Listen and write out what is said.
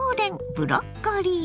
ブロッコリー。